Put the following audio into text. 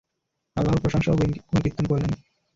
আল্লাহর প্রশংসা ও গুণকীর্তন করলেন।